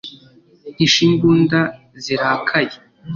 hisha imbunda zirakaye!